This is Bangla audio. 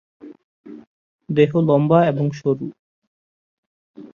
দেহ লম্বা এবং সরু।